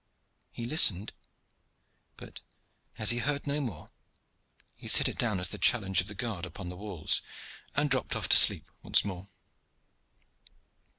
He listened, but, as he heard no more, he set it down as the challenge of the guard upon the walls, and dropped off to sleep once more.